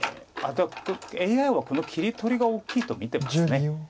ＡＩはこの切り取りが大きいと見てます。